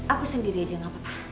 aku sendiri aja gak apa apa